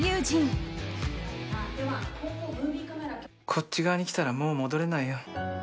こっち側に来たらもう戻れないよ。